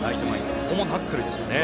ここもナックルでした。